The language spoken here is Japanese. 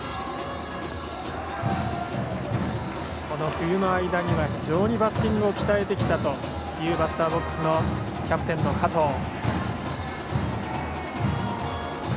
この冬の間に非常にバッティングを鍛えてきたというバッターボックスのキャプテンの加藤。